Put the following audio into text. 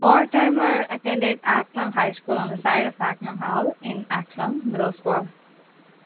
Mortimer attended Acklam High School on the site of Acklam Hall in Acklam, Middlesbrough.